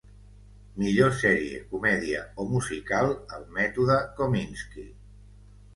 Millor sèrie comèdia o musical: ‘El mètode Kominsky’